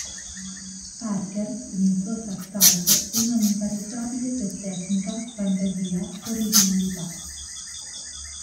Parker, con il suo sax alto, rimane impareggiabile per tecnica, fantasia, originalità.